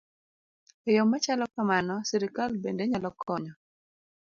E yo ma chalo kamano, sirkal bende nyalo konyo